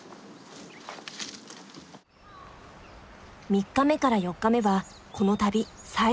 ３日目から４日目はこの旅最大の山場。